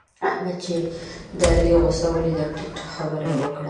احمد چې د علي غوسه وليده؛ ټيټه خبره يې وکړه.